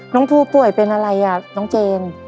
น้องผู้ป่วยเป็นอะไรอ่ะน้องเจน